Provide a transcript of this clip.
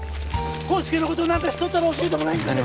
康介のこと何か知っとったら教えてもらえんかね